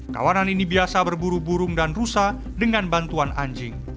kawanan ini biasa berburu burung dan rusa dengan bantuan anjing